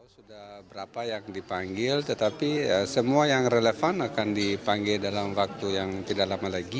sudah berapa yang dipanggil tetapi semua yang relevan akan dipanggil dalam waktu yang tidak lama lagi